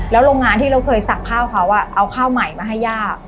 โรงงานที่เราเคยสั่งข้าวเขาเอาข้าวใหม่มาให้ย่า